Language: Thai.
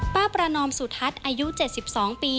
ประนอมสุทัศน์อายุ๗๒ปี